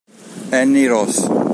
Annie Ross